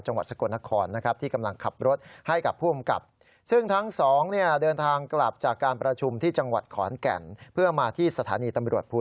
จังหวัดสะกดณฑรนะครนะครับ